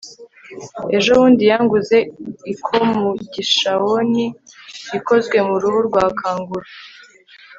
ejobundi yanguze ikomugishaoni ikozwe mu ruhu rwa kanguru